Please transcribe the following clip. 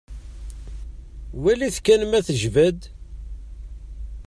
Walit kan ma tejba-d.